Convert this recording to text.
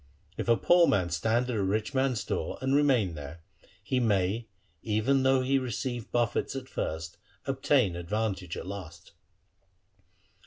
If a poor man stand at a rich man's door and remain there, he may even though he receive buffets at first, obtain advantage at last.'